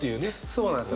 そうなんですよ。